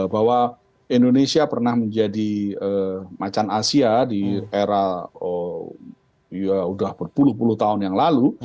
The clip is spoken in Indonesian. bahwa indonesia pernah menjadi macan asia di era ya sudah berpuluh puluh tahun yang lalu